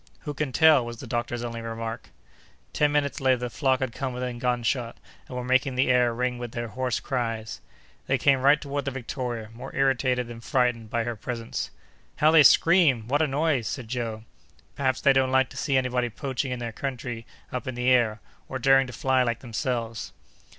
"Who can tell?" was the doctor's only remark. Ten minutes later, the flock had come within gunshot, and were making the air ring with their hoarse cries. They came right toward the Victoria, more irritated than frightened by her presence. "How they scream! What a noise!" said Joe. "Perhaps they don't like to see anybody poaching in their country up in the air, or daring to fly like themselves!"